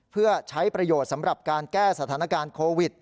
เพื่อใช้ประโยชน์สำหรับการแก้สถานการณ์โควิด